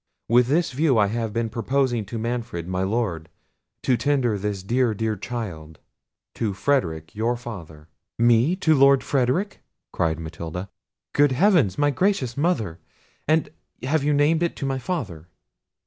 With this view I have been proposing to Manfred, my lord, to tender this dear, dear child to Frederic, your father." "Me to Lord Frederic!" cried Matilda; "good heavens! my gracious mother—and have you named it to my father?"